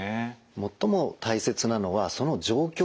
最も大切なのはその状況です。